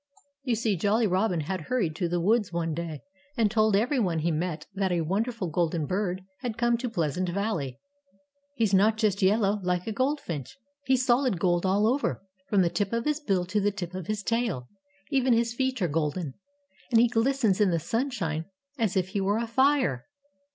You see, Jolly Robin had hurried to the woods one day and told everyone he met that a wonderful golden bird had come to Pleasant Valley. "He's not just yellow, like a goldfinch. He's solid gold all over, from the tip of his bill to the tip of his tail. Even his feet are golden. And he glistens in the sunshine as if he were afire!"